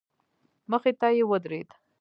مخې ته يې ودرېد.